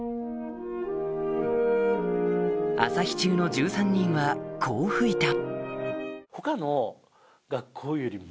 朝日中の１３人はこう吹いた